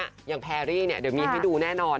อย่างแพรรี่เนี่ยเดี๋ยวมีให้ดูแน่นอน